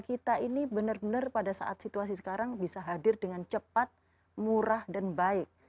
kita ini benar benar pada saat situasi sekarang bisa hadir dengan cepat murah dan baik